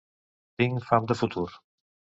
Tinc fam de futur.